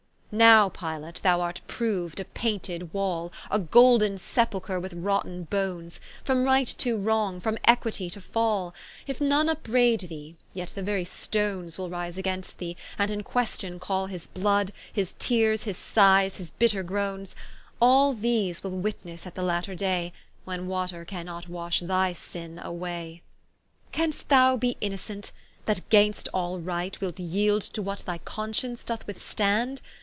Now Pilate thou art proou'd a painted wall, A golden Sepucher with rotten bones; From right to wrong, from equitie to fall: If none vpbraid thee, yet the very stones Will rise against thee, and in question call His blood, his teares, his sighes, his bitter groanes: All these will witnesse at the latter day, When water cannot wash thy sinne away. Canst thou be innocent, that gainst all right, Wilt yeeld to what thy conscience doth withstand?